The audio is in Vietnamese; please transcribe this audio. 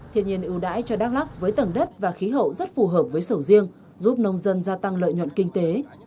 thiên nhiên ưu đãi cho đắk lắc với tầng đất và khí hậu rất phù hợp với sầu riêng giúp nông dân gia tăng lợi nhuận kinh tế